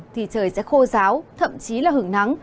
thì trời sẽ khô giáo thậm chí là hưởng nắng